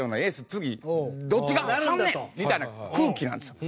次どっちが張んねんみたいな空気なんですよ。